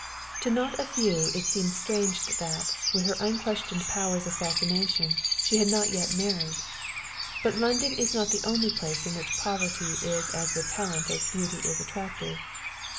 To not a few it seemed strange that, with her unquestioned powers of fascination, she had not yet married; but London is not the only place in which poverty is as repellent as beauty is attractive.